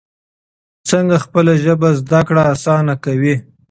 څنګه خپله ژبه زده کړه اسانه کوي؟